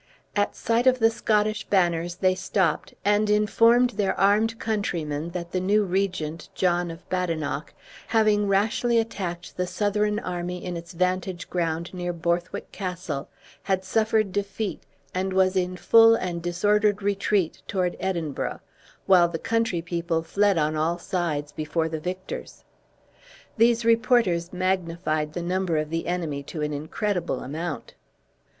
At sight of the Scottish banners they stopped, and informed their armed countrymen, that the new regent, John of Badenoch, having rashly attacked the Southron army in its vantage ground, near Borthwick Castle, had suffered defeat, and was in full and disordered retreat toward Edinburgh, while the country people fled on all sides before the victors. These reporters magnified the number of the enemy to an incredible amount.